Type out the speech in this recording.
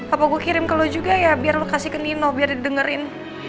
apa gue kirim ke lu juga ya biar lo kasih ke nino biar didengerin